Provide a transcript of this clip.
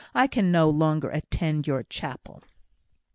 I can no longer attend your chapel."